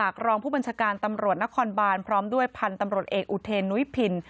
รองผู้บัญชาการตำรวจนครบานพร้อมด้วยพันธุ์ตำรวจเอกอุเทนนุ้ยพิน